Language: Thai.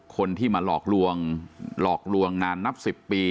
คนที่มาหลอกลวงหลอกลวงนานนับ๑๐ปี